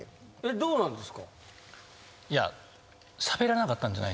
どうなんですか？